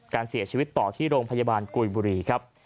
การเสียชีวิตต่อที่โรงพยาบาลกุยบุรีครับ